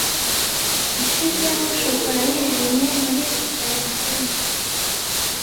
yashizemo shokora yijimye muri valentine